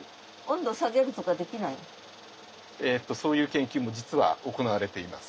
そういう研究も実は行われています。